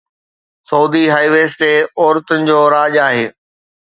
سعودي هاءِ ويز تي عورتن جو راڄ آهي